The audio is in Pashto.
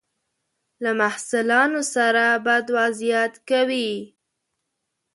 له محصلانو سره بد وضعیت کوي.